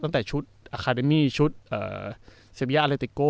ตั้งแต่ชุดอาคาเดมี่ชุดเซบิยาเลติโก้